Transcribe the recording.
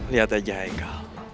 lihat aja kal